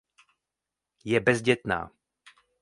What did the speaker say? Je bezdětná.